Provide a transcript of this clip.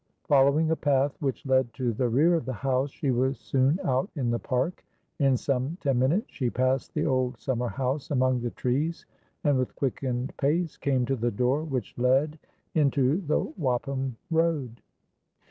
Following a path which led to the rear of the house, she was soon out in the park; in some ten minutes she passed the old summer house among the trees, and, with quickened pace, came to the door which led into the Wapham Road.